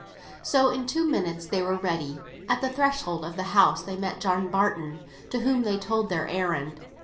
So in two minutes they were ready. At the threshold of the house they met John Barton, to whom they told their errand.